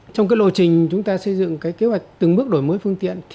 trong lộ trình xây dựng kế hoạch từng bước đổi mới phương tiện